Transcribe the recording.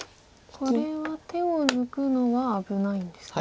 これは手を抜くのは危ないんですね。